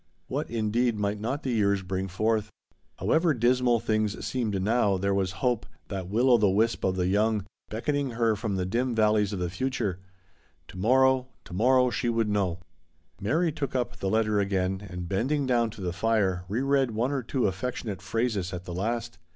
What, indeed, might not the years bring forth ? However dismal things seemed now, there was Hope — that will o' the wisp of the young — beckoning her from the dim valleys of the future. Mary took up the letter again, and bending down to the fire, reread one or two affection ate phrases at the last.